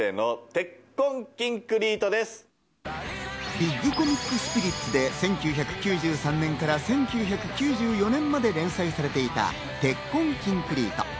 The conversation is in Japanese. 『ビッグコミックスピリッツ』で１９９３年から１９９４年まで連載されていた『鉄コン筋クリート』。